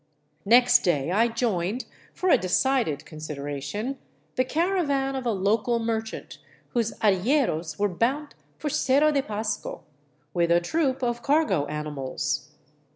Next day I joined — for a decided consideration — the caravan of a local merchant whose arrieros were bound for Cerro de Pasco with a troop of cargo animals.